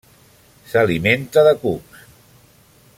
S'alimenta de cucs.